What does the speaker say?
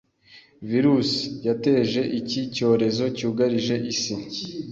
virus yateje iki cyorezo cyugarije isi